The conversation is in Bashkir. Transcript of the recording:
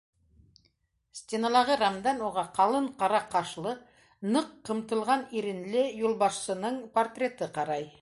Стеналағы рамдан уға ҡалын ҡара ҡашлы, ныҡ ҡымтылған иренле юлбашсының портреты ҡарай.